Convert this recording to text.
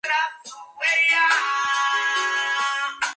Fue compositor de algunas obras clásicas.